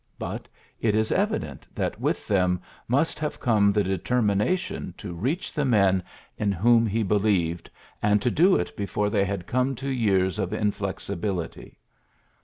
But it is evident that with them must have come the determination to reach the men in whom he believed, and to do it before they had come to years of in flexibility.